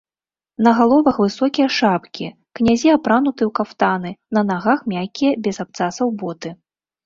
На галовах высокія шапкі, князі апрануты ў кафтаны, на нагах мяккія, без абцасаў боты.